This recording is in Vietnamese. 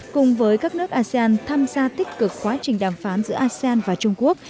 cùng với các nước asean tham gia tích cực quá trình đàm phán giữa asean và trung quốc